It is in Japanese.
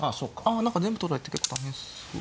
あ何か全部取られて結構大変そう。